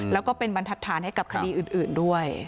แล้วก็เป็นบรรทัดฐานให้กับคดีอื่นด้วย